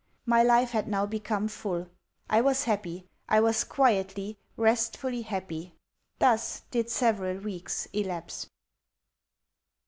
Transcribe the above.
My life had now become full I was happy; I was quietly, restfully happy. Thus did several weeks elapse....